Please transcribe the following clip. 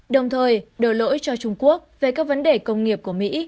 đồng thời đổi lỗi cho trung quốc về các vấn đề công nghiệp của mỹ